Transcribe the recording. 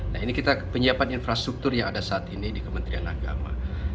nah ini kita penyiapan infrastruktur yang ada saat ini di kementerian agama